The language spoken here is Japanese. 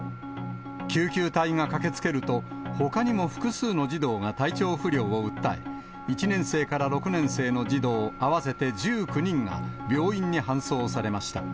救急隊が駆けつけると、ほかにも複数の児童が体調不良を訴え、１年生から６年生の児童合わせて１９人が、病院に搬送されました。